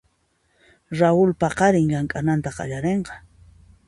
Raul paqarin llamk'ananta qallarinqa.